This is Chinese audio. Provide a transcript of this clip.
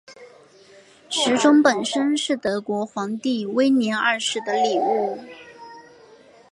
时钟本身是是德国皇帝威廉二世的礼物。